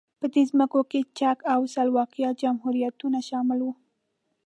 په دې ځمکو کې چک او سلواکیا جمهوریتونه شامل وو.